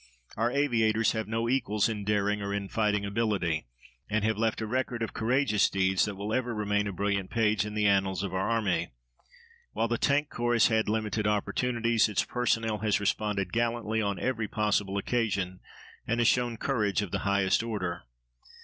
Our aviators have no equals in daring or in fighting ability, and have left a record of courageous deeds that will ever remain a brilliant page in the annals of our army. While the Tank Corps has had limited opportunities, its personnel has responded gallantly on every possible occasion, and has shown courage of the highest order.